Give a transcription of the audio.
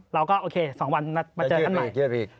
เราก็โอเค๒วันมาเจอกันใหม่